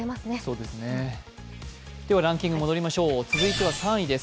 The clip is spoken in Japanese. ではランキング戻りましょう、続いては３位です。